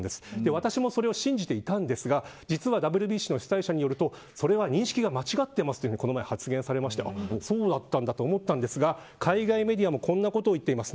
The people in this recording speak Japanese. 私もそれを信じていたんですが実はＷＢＣの主催者によるとそれは認識が間違ってますというふうに発言されましてそうだったんだと思ったんですが海外メディアもこんなことを言っています。